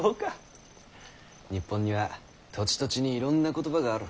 日本には土地土地にいろんな言葉がある。